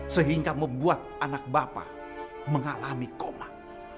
sehingga membuat anak bapak mengalami koma